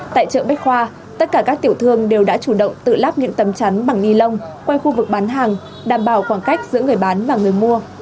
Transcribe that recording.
tại chợ bách khoa tất cả các tiểu thương đều đã chủ động tự lắp những tấm chắn bằng ni lông qua khu vực bán hàng đảm bảo khoảng cách giữa người bán và người mua